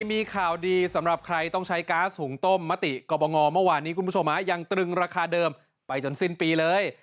มีข่าวดีสำหรับใครต้องใช้ก๊าซหุงต้มมติกรบงเมื่อวานนี้คุณผู้ชมยังตรึงราคาเดิมไปจนสิ้นปีเลย